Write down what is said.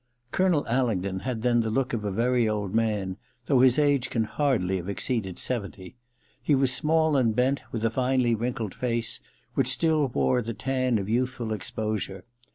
Colonel Alingdon had then the look of a very old man, though his age can hardly have ex ceeded seventy. He was small and bent, with a finely wrinkled face which still wore the tan of youthful exposure.